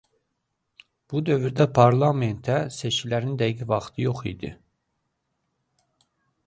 Bu dövrdə parlamentə seçkilərin dəqiq vaxtı yox idi.